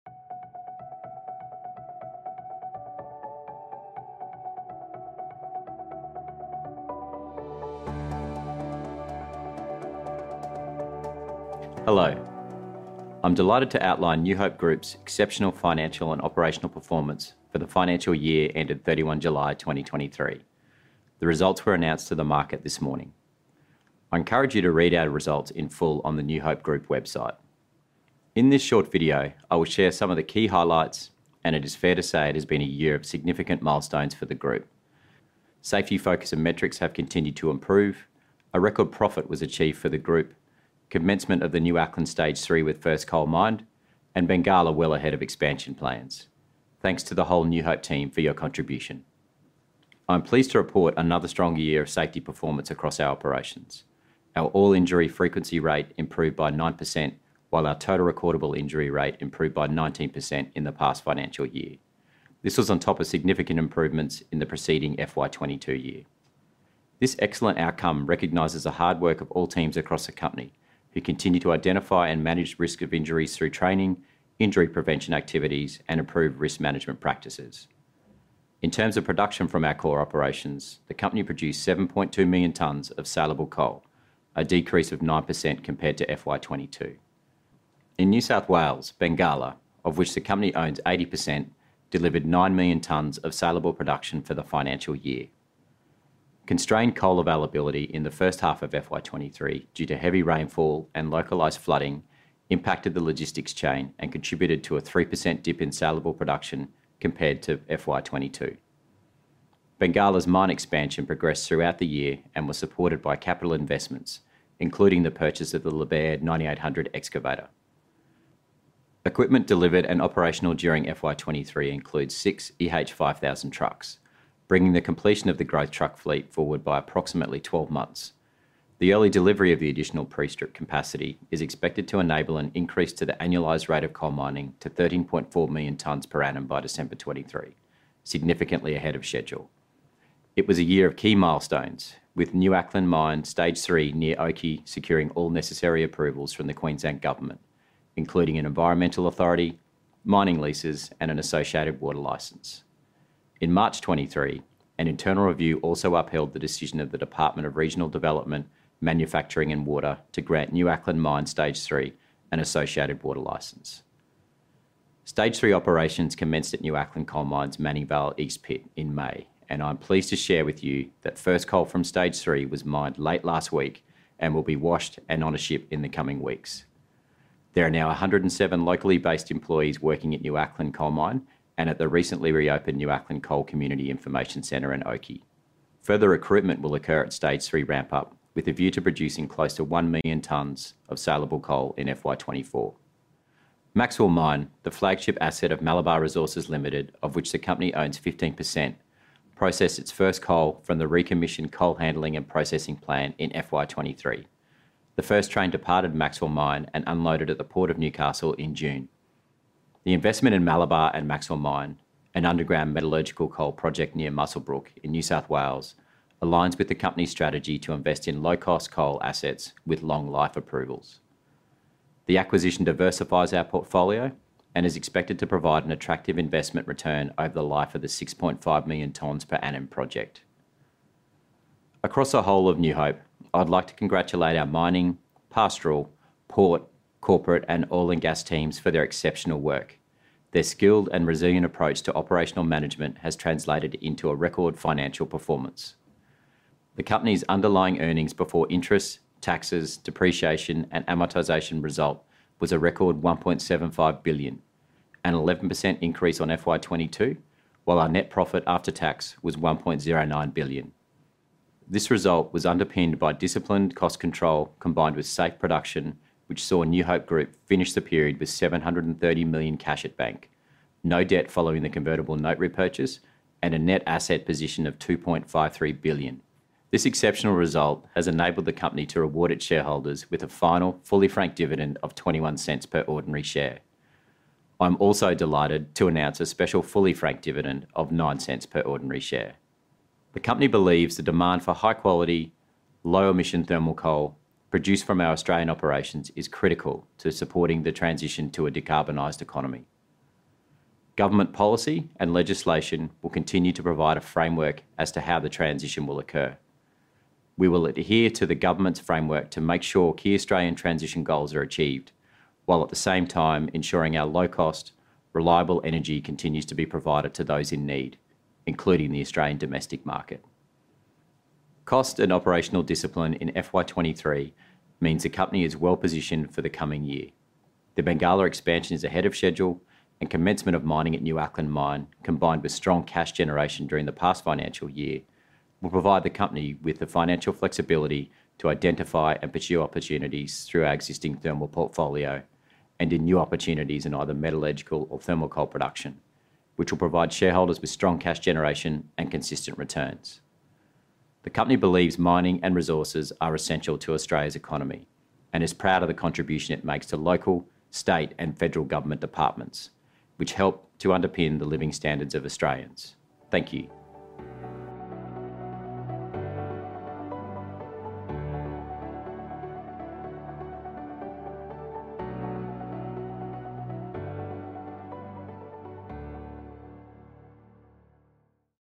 Hello, I'm delighted to outline New Hope Group's exceptional financial and operational performance for the financial year ended 31 July 2023. The results were announced to the market this morning. I encourage you to read our results in full on the New Hope Group website. In this short video, I will share some of the key highlights, and it is fair to say it has been a year of significant milestones for the group. Safety focus and metrics have continued to improve, a record profit was achieved for the group, commencement of the New Acland Stage 3 with first coal mined, and Bengalla well ahead of expansion plans. Thanks to the whole New Hope team for your contribution. I'm pleased to report another strong year of safety performance across our operations. Our All-Injury Frequency Rate improved by 9%, while our Total Recordable Injury Rate improved by 19% in the past financial year. This was on top of significant improvements in the preceding FY 2022 year. This excellent outcome recognizes the hard work of all teams across the company, who continue to identify and manage risk of injuries through training, injury prevention activities, and improved risk management practices. In terms of production from our core operations, the company produced 7.2 million tonnes of saleable coal, a decrease of 9% compared to FY 2022. In New South Wales, Bengalla, of which the company owns 80%, delivered 9 million tonnes of saleable production for the financial year. Constrained coal availability in the first half of FY 2023 due to heavy rainfall and localized flooding impacted the logistics chain and contributed to a 3% dip in saleable production compared to FY 2022. Bengalla's mine expansion progressed throughout the year and was supported by capital investments, including the purchase of the Liebherr 9800 excavator. Equipment delivered and operational during FY 2023 includes six EH5000 trucks, bringing the completion of the growth truck fleet forward by approximately 12 months. The early delivery of the additional pre-strip capacity is expected to enable an increase to the annualized rate of coal mining to 13.4 million tonnes per annum by December 2023, significantly ahead of schedule. It was a year of key milestones, with New Acland Mine Stage 3 near Oakey securing all necessary approvals from the Queensland Government, including an Environmental Authority, Mining Leases, and an Associated Water Licence. In March 2023, an internal review also upheld the decision of the Department of Regional Development, Manufacturing and Water to grant New Acland Mine Stage 3 an Associated Water Licence. Stage 3 operations commenced at New Acland Coal Mine's Manning Vale East Pit in May, and I'm pleased to share with you that first coal from Stage 3 was mined late last week and will be washed and on a ship in the coming weeks. There are now 107 locally based employees working at New Acland Coal Mine and at the recently reopened New Acland Coal Community Information Centre in Oakey. Further recruitment will occur at Stage 3 ramp up, with a view to producing close to 1,000,000 tonnes of saleable coal in FY 2024. Maxwell Mine, the flagship asset of Malabar Resources Limited, of which the company owns 15%, processed its first coal from the recommissioned coal handling and processing plant in FY 2023. The first train departed Maxwell Mine and unloaded at the Port of Newcastle in June. The investment in Malabar and Maxwell Mine, an underground metallurgical coal project near Muswellbrook in New South Wales, aligns with the company's strategy to invest in low-cost coal assets with long life approvals. The acquisition diversifies our portfolio and is expected to provide an attractive investment return over the life of the 6.5 million tonnes per annum project. Across the whole of New Hope, I'd like to congratulate our mining, pastoral, port, corporate, and oil and gas teams for their exceptional work. Their skilled and resilient approach to operational management has translated into a record financial performance. The company's underlying Earnings Before Interest, Taxes, Depreciation, and Amortization result was a record 1.75 billion, an 11% increase on FY 2022, while our Net Profit After Tax was 1.09 billion. This result was underpinned by disciplined cost control, combined with safe production, which saw New Hope Group finish the period with 730 million cash at bank, no debt following the convertible note repurchase, and a net asset position of 2.53 billion. This exceptional result has enabled the company to reward its shareholders with a final Fully Franked Dividend of 0.21 per ordinary share. I'm also delighted to announce a special Fully Franked Dividend of 0.09 per ordinary share. The company believes the demand for high-quality, low-emission thermal coal produced from our Australian operations is critical to supporting the transition to a decarbonized economy. Government policy and legislation will continue to provide a framework as to how the transition will occur. We will adhere to the government's framework to make sure key Australian transition goals are achieved, while at the same time ensuring our low-cost, reliable energy continues to be provided to those in need, including the Australian domestic market. Cost and operational discipline in FY 2023 means the company is well-positioned for the coming year. The Bengalla expansion is ahead of schedule, and commencement of mining at New Acland Mine, combined with strong cash generation during the past financial year, will provide the company with the financial flexibility to identify and pursue opportunities through our existing thermal portfolio and in new opportunities in either metallurgical or thermal coal production, which will provide shareholders with strong cash generation and consistent returns. The company believes mining and resources are essential to Australia's economy and is proud of the contribution it makes to local, state, and federal government departments, which help to underpin the living standards of Australians. Thank you.